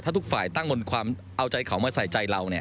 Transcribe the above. ถ้าทุกฝ่ายตั้งบนความเอาใจเขามาใส่ใจเรา